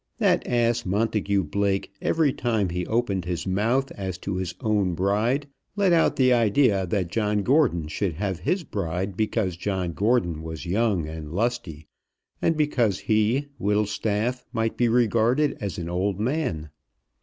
That ass Montagu Blake every time he opened his mouth as to his own bride let out the idea that John Gordon should have his bride because John Gordon was young and lusty, and because he, Whittlestaff, might be regarded as an old man.